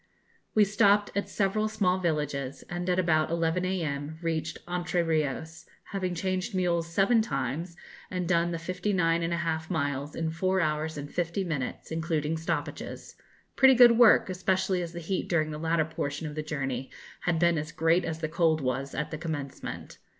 We stopped at several small villages, and at about 11 a.m. reached Entre Rios, having changed mules seven times, and done the 59 1/2 miles in four hours and fifty minutes, including stoppages pretty good work, especially as the heat during the latter portion of the journey had been as great as the cold was at the commencement.